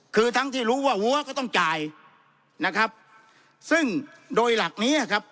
คือทั้งที่รู้ว่าวัวก็ต้องจ่ายนะครับซึ่งโดยหลักเนี้ยครับ